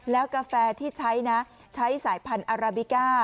แล้วกาแฟที่ใช้นะใช้สายพันธุ์อาราบิก้า